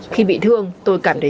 khi bị thương tôi cảm thấy sợ